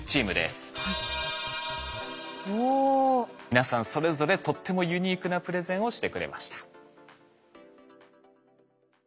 皆さんそれぞれとってもユニークなプレゼンをしてくれました。